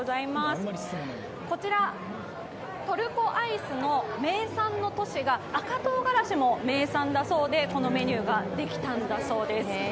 こちら、トルコアイスの名産の都市が赤とうがらしも名産だそうで、このメニューができたんでそうです。